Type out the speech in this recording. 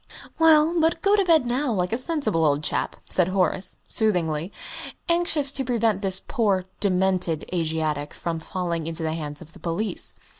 "Well, but go to bed now, like a sensible old chap," said Horace, soothingly, anxious to prevent this poor demented Asiatic from falling into the hands of the police.